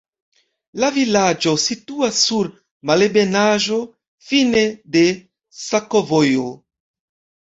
La vilaĝo situas sur malebenaĵo, fine de sakovojo.